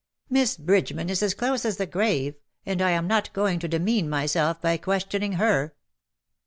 ^^ Miss Bridgeman is as close as the grave ; and I am not going to demean myself by questioning her.''